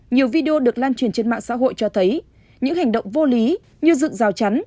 nhiều video được lan truyền trên mạng xã hội cho thấy những hành động vô lý như dựng rào chắn